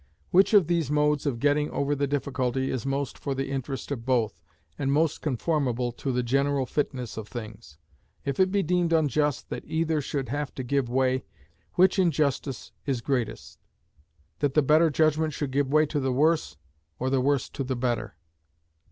Which of these modes of getting over the difficulty is most for the interest of both, and most conformable to the general fitness of things? If it be deemed unjust that either should have to give way, which injustice is greatest? that the better judgment should give way to the worse, or the worse to the better?